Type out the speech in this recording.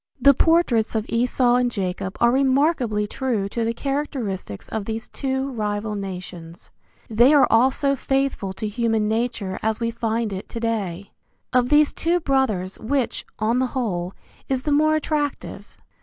The portraits of Esau and Jacob are remarkably true to the characteristics of these two rival nations. They are also faithful to human nature as we find it to day. Of these two brothers which, on the whole, is the more attractive?